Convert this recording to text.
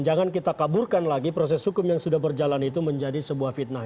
jangan kita kaburkan lagi proses hukum yang sudah berjalan itu menjadi sebuah fitnah